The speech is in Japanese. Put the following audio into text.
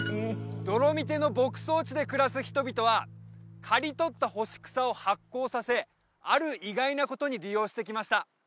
ドロミテの牧草地で暮らす人々は刈り取った干し草を発酵させある意外なことに利用してきました